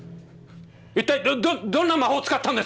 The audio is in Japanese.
一体どどんな魔法を使ったんですか！